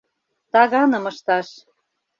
Таганым ышташ.